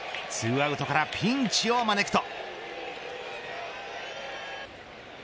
２アウトからピンチを招くと。